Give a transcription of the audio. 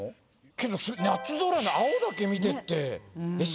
けど「夏空の青だけ見て」ってはははっ。